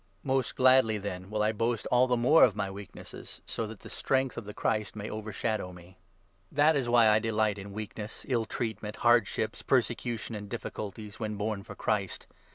Most gladly, then, will I boast all the more of my weak nesses, so that the strength of the Christ may overshadow me. 346 II. CORINTHIANS, 12 13. That is why I delight in weakness, ill treatment, hardships, 10 persecution, and difficulties, when borne for Christ.